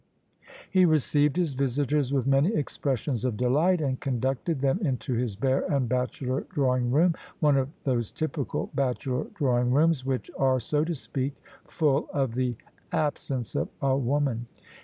He received his visitors with many expressions of delight, and conducted them into his bare and bachelor drawing room— one of those typical bachelor drawing rooms which are, so to speak, full of the absence of a woman.